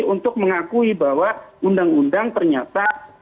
untuk mengakui bahwa undang undang ternyata